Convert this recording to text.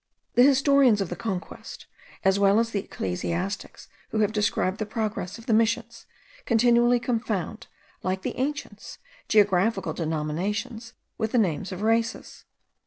The historians of the conquest, as well as the ecclesiastics who have described the progress of the Missions, continually confound, like the ancients, geographical denominations with the names of races.